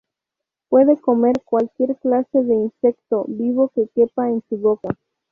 Puede comer cualquier clase de insecto vivo que quepa en su boca.